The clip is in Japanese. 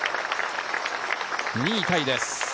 ２位タイです。